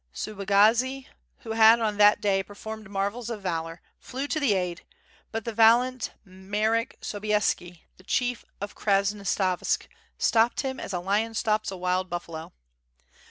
Subagazi who had on that day performed marvels of valor, flew to the aid, but the valiant Marek Sobieski, the chief of Krasnostavsk, stopped him as a lion stops a wild buffalo.